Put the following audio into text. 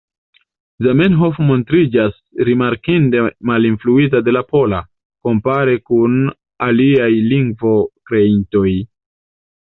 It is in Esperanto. Zamenhof montriĝas rimarkinde malinfluita de la pola, kompare kun aliaj lingvokreintoj.